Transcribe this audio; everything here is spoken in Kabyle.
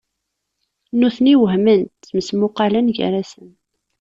Nutni wehmen, ttmesmuqalen gar-asen.